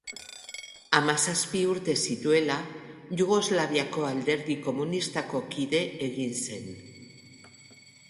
Hamazazpi urte zituela, Jugoslaviako Alderdi Komunistako kide egin zen.